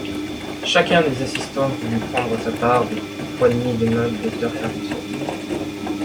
Chacun des assistants voulut prendre sa part des poignées de main du docteur Fergusson.